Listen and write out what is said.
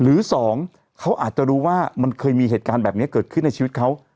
หรือสองเขาอาจจะรู้ว่ามันเคยมีเหตุการณ์แบบนี้เกิดขึ้นในชีวิตเขา